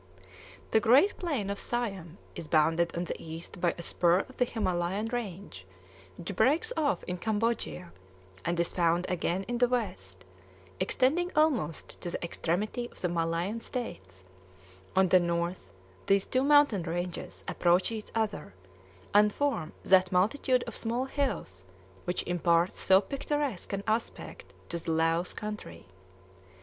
The great plain of Siam is bounded on the east by a spur of the Himalayan range, which breaks off in Cambodia, and is found again in the west, extending almost to the extremity of the Malayan states; on the north these two mountain ranges approach each other, and form that multitude of small hills which imparts so picturesque an aspect to the Laos country.